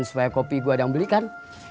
supaya kopi gua ada mau belikan